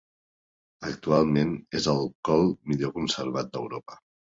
Actualment és el call millor conservat d'Europa.